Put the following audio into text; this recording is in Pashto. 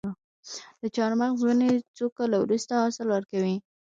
د چهارمغز ونې څو کاله وروسته حاصل ورکوي؟